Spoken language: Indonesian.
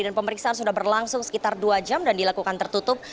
dan pemeriksaan sudah berlangsung sekitar dua jam dan dilakukan tertutup